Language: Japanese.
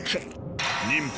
忍法